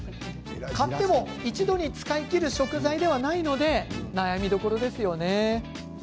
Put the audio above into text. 買っても一度に使い切る食材ではないので悩みどころですよね。